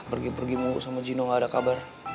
pergi pergi mungkuk sama gino gak ada kabar